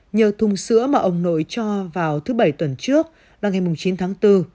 nhờ thùng sữa mà ông nội cho vào thứ bảy tuần trước là ngày chín tháng bốn